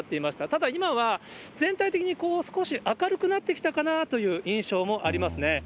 ただ、今は全体的に少し明るくなってきたかなという印象もありますね。